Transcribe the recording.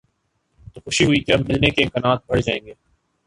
تو خوشی ہوئی کہ اب ملنے کے امکانات بڑھ جائیں گے۔